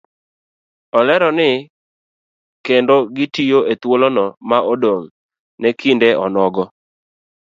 Olero ni kendo gitiyo ethuolono ma odong' ne kinde onogo